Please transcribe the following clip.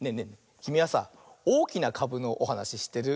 きみはさ「おおきなかぶ」のおはなししってる？